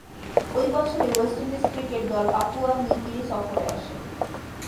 ঐ বছরই West Indies cricket দল পাপুয়া নিউগিনি সফরে আসে।